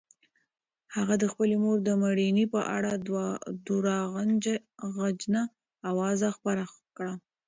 هغه د خپلې مور د مړینې په اړه درواغجنه اوازه خپره کړه.